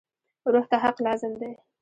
روح ته حق لازم دی.